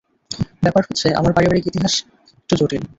ব্যাপার হচ্ছে আমার পারিবারিক ইতিহাস, একটু জটিল।